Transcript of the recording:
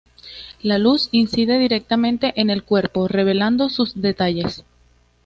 La luz incide directamente en el cuerpo, revelando sus detalles.